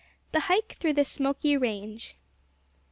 THE HIKE THROUGH THE SMOKY RANGE.